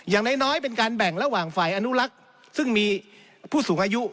อย่างน้อยเป็นการแบ่งระหว่างฝ่ายอนุรักษ์ซึ่งมีผู้สูงอายุ